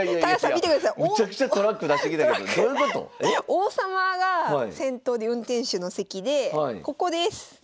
王様が先頭で運転手の席でここです。